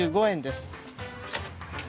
１，５９５円です。